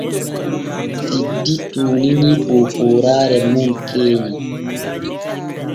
Siddi tuuninii poopooraare mum keenya.